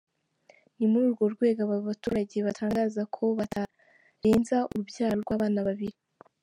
Ni muri uru rwego aba baturage batangaza ko batarenza urubyaro rwabana babiri.